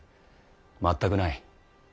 全くない。